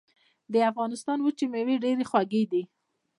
د افغانستان وچې مېوې ډېرې خوږې دي.